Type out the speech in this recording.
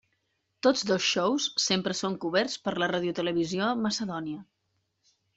Tots dos xous sempre són coberts per la Radiotelevisió Macedònia.